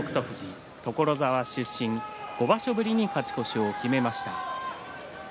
所沢出身、５場所ぶりに勝ち越しを決めました。